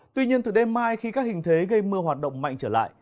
tuy nhiên từ đêm mai khi các hình thế gây mưa hoạt động mạnh trở lại